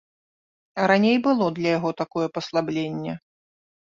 Раней было для яго такое паслабленне.